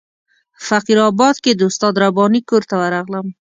په فقیر آباد کې د استاد رباني کور ته ورغلم.